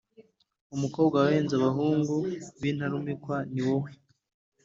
umukobwa wabenze abahungu b’intarumikwa ni wowe